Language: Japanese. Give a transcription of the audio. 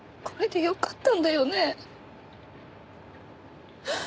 これでよかったんだよね？